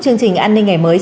chương trình an ninh ngày mới